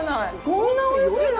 こんなにおいしいの？